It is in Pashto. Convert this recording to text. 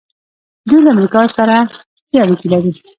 دوی له امریکا سره ښې اړیکې لري.